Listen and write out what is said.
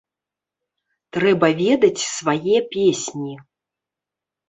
Трэба ведаць свае песні.